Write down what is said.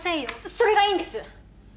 それがいいんです